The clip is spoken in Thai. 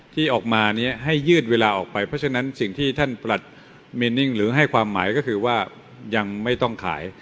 ที่ออกมาเนี่ยให้ยืดเวลาออกไปเพราะฉะนั้นสิ่งที่ท่านประหลัดเมนิ่งหรือให้ความหมายก็คือว่ายังไม่ต้องขาย